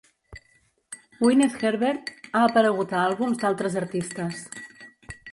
Gwyneth Herbert ha aparegut a àlbums d'altres artistes.